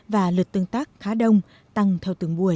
và lượt tương tác khá đông tăng theo từng buổi